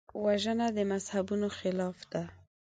وژنه د مذهبونو خلاف ده